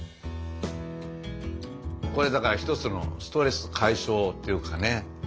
これだから一つのストレス解消っていうかね。